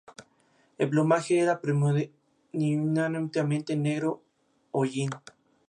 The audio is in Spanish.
El plumaje era predominantemente negro hollín.